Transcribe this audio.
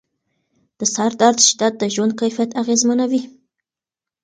د سردرد شدت د ژوند کیفیت اغېزمنوي.